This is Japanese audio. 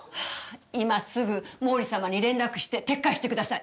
今すぐ毛利様に連絡して撤回してください。